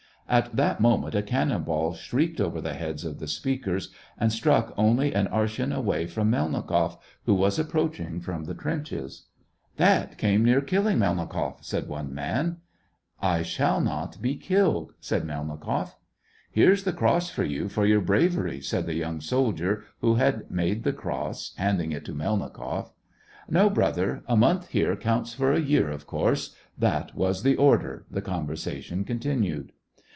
At that moment, a cannon ball shrieked over the heads of the speakers, and struck only an arshin away from Melnikoff, who was approaching them from the trenches. " That came near killing Melnikoff," said one man. *' I shall not be killed," said Melnikoff. Here's the cross for you, for your bravery," SEVASTOPOL IN AUGUST. 239 said the young soldier, who had made the cross, handing it to Melnikoff. No, brother, a month here counts for a year, of course — that was the order," the conversation continued.